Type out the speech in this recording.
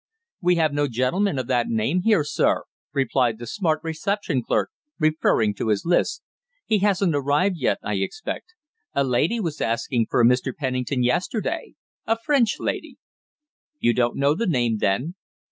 "We have no gentleman of that name here, sir," replied the smart reception clerk, referring to his list. "He hasn't arrived yet, I expect. A lady was asking for a Mr. Pennington yesterday a French lady." "You don't know the name, then?"